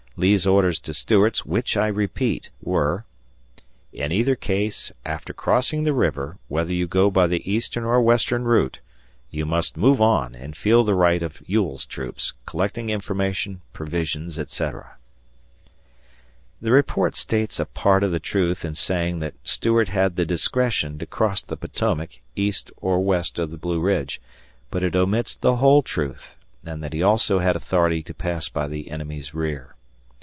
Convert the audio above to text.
Lee's orders to Stuart, which I repeat, were, "In either case after crossing the river (whether you go by the eastern or western route) you must move on and feel the right of Ewell's troops, collecting information, provisions, etc." The report states a part of the truth in saying that Stuart had the discretion to cross the Potomac east or west of the Blue Ridge, but it omits the whole truth and that he also had authority to pass by the enemy's rear.